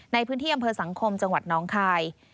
ในพื้นที่อำเภอสังคมจังหวัดน้องคาย